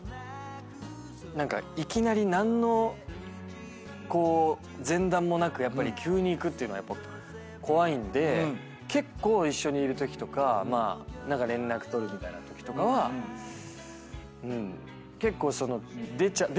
何かいきなり何の前段もなく急にいくっていうのはやっぱ怖いんで結構一緒にいるときとか連絡取るみたいなときとかは結構。